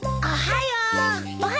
おはよう。